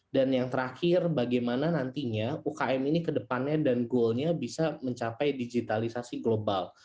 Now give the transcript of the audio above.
dan yang terakhir bagaimana nantinya umkm ini kedepannya dan goalnya bisa mencapai digitalisasi global